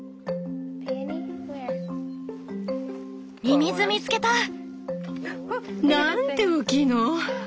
ミミズ見つけた！なんて大きいの！